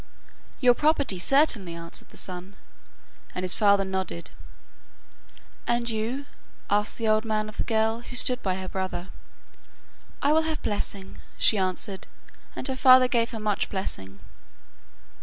'Your property, certainly,' answered the son, and his father nodded. 'And you?' asked the old man of the girl, who stood by her brother. 'I will have blessing,' she answered, and her father gave her much blessing.